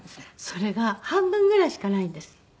それが半分ぐらいしかないんです。